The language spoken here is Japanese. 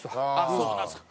「そうなんですか」。